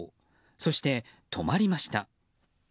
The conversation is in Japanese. そして、止まりました。